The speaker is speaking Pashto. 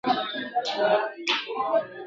پښتانه په مېړانه جنګيږي.